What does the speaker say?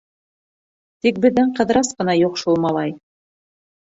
Тик беҙҙең Ҡыҙырас ҡына юҡ шул, малай.